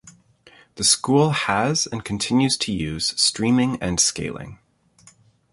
The school has and continues to use streaming and scaling.